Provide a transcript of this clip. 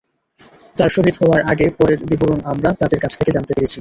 তাঁর শহীদ হওয়ার আগে-পরের বিবরণ আমরা তাঁদের কাছ থেকে জানতে পেরেছি।